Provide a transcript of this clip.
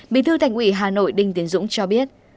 bí thư thành ủy hà nội đinh tiến dũng cho biết